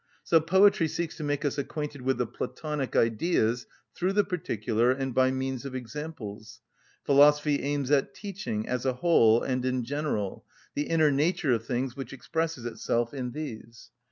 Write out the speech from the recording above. So poetry seeks to make us acquainted with the (Platonic) Ideas through the particular and by means of examples. Philosophy aims at teaching, as a whole and in general, the inner nature of things which expresses itself in these.